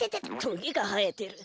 トゲがはえてる。